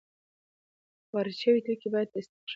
وارد شوي توکي باید تصدیق شوي وي.